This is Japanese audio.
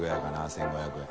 １５００円。